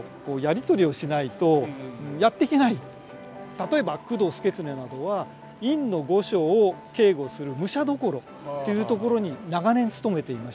例えば工藤祐経などは院の御所を警護する武者所というところに長年勤めていました。